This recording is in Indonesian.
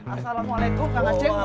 assalamualaikum kang aceh